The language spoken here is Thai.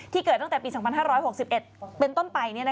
เกิดตั้งแต่ปี๒๕๖๑เป็นต้นไป